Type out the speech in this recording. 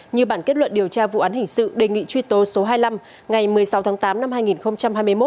như bản kết luận điều tra vụ án hình sự đề nghị truy tố số hai mươi năm ngày một mươi sáu tháng tám năm hai nghìn hai mươi một